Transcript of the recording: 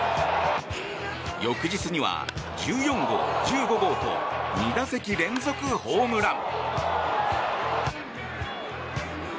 翌日には１４号、１５号と２打席連続ホームラン。